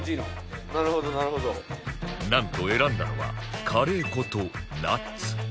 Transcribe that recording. なんと選んだのはカレー粉とナッツ